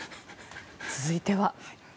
続いては。